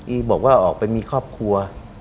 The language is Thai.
บอกว่าออกไปมีครอบครัว